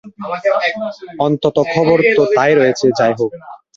অন্তত খবর তো তাই রয়েছে, যাই হোক।